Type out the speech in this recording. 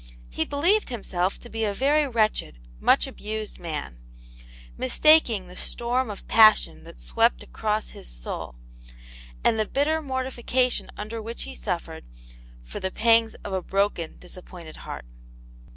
He believed himself to be a very wretched, much abused man, mistaking the storm of passion that swept across his soul, and the bitter mortification under which he suffered, for the pangs of a broken, disappointed heart.